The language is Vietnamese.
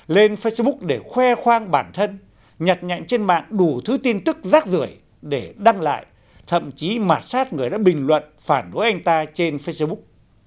lên facebook để khoe khoang bản thân nhặt nhạy trên mạng đủ thứ tin tức rác rưỡi để đăng lại thậm chí mạt sát người đã bình luận phản đối anh ta trên facebook